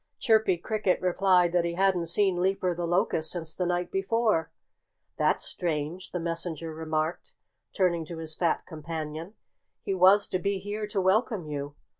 Chirpy Cricket replied that he hadn't seen Leaper the Locust since the night before. "That's strange!" the messenger remarked, turning to his fat companion. "He was to be here to welcome you."